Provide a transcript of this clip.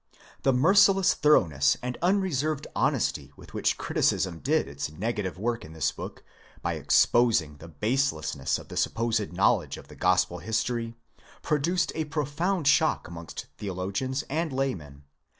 The merciless thoroughness and _ unreserved honesty with which criticism did its negative work in this book, by exposing the baselessness of the supposed knowledge of the gospel history, pro duced a profound shock amongst theologians and laymen.